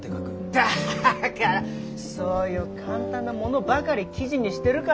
だからそういう簡単なものばかり記事にしてるから。